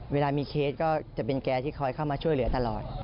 เวลามีเคสก็จะเป็นแกที่คอยเข้ามาช่วยเหลือตลอด